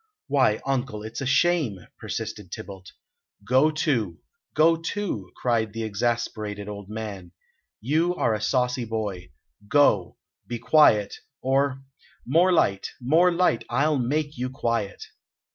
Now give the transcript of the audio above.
"Why, uncle, it's a shame," persisted Tybalt. "Go to go to!" cried the exasperated old man. "You are a saucy boy! Go! Be quiet, or More light! More light! I'll make you quiet."